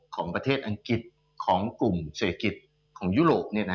ของประเทศอังกฤษของกลุ่มเศรษฐกิจของยุโรป